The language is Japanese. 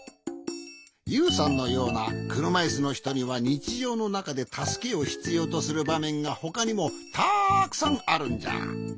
ユウさんのようなくるまいすのひとにはにちじょうのなかでたすけをひつようとするばめんがほかにもたくさんあるんじゃ。